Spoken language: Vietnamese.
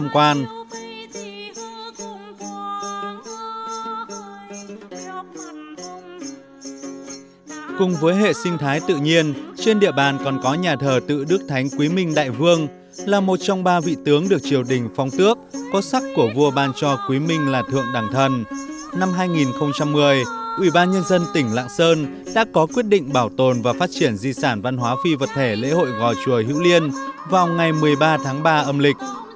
quỹ ban nhân dân tỉnh lạng sơn đã có quyết định bảo tồn và phát triển di sản văn hóa phi vật thể lễ hội gòi chùa hữu liên vào ngày một mươi ba tháng ba âm lịch